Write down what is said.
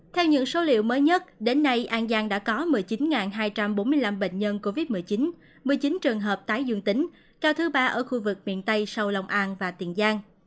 theo những số liệu mới nhất đến nay an giang đã có một mươi chín hai trăm bốn mươi năm bệnh nhân covid một mươi chín một mươi chín trường hợp tái dương tính cao thứ ba ở khu vực miền tây sau long an và tiền giang